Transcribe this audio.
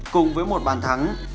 cùng với một bàn thắng